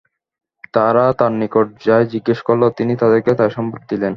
তারা তাঁর নিকট যা-ই জিজ্ঞেস করল, তিনি তাদেরকে তার সংবাদ দিলেন।